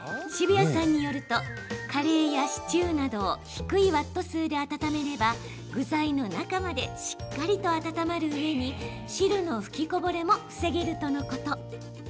澁谷さんによるとカレーやシチューなどを低いワット数で温めれば具材の中までしっかりと温まるうえに汁の吹きこぼれも防げるとのこと。